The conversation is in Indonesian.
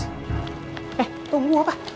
eh tunggu apa